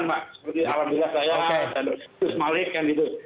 seperti alhamdulillah saya terus malik kan gitu